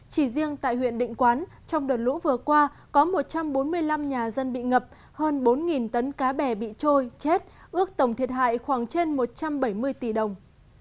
chỉ riêng tại huyện định quán trong đợt lũ vừa qua có một trăm bốn mươi năm nhà dân bị ngập hơn bốn tấn cá bè bị trôi chết ước tổng thiệt hại khoảng trên một trăm bảy mươi tỷ đồng